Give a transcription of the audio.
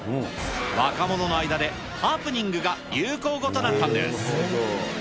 若者の間でハプニングが流行語となったんです。